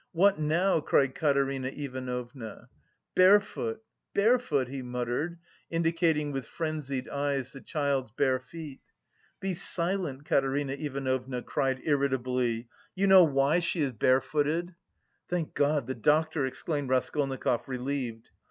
"What now?" cried Katerina Ivanovna. "Barefoot, barefoot!" he muttered, indicating with frenzied eyes the child's bare feet. "Be silent," Katerina Ivanovna cried irritably, "you know why she is barefooted." "Thank God, the doctor," exclaimed Raskolnikov, relieved.